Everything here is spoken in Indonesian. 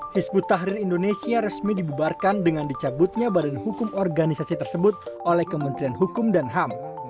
hizbut tahrir indonesia resmi dibubarkan dengan dicabutnya badan hukum organisasi tersebut oleh kementerian hukum dan ham